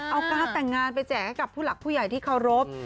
เอาการ์ดแต่งงานไปแจกให้กับผู้หลักผู้ใหญ่ที่เคารพ